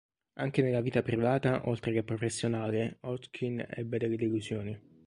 Anche nella vita privata oltre che professionale Hodgkin ebbe delle delusioni.